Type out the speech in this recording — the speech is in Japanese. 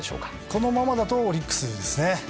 このままだとオリックスですね。